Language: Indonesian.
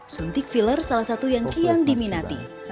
suntik filler salah satu yang kian diminati